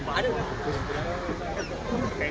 itu itu itu